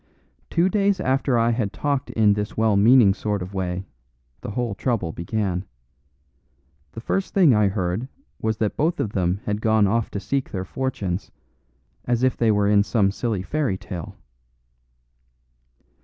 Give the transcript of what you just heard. Two days after I had talked in this well meaning sort of way, the whole trouble began. The first thing I heard was that both of them had gone off to seek their fortunes, as if they were in some silly fairy tale.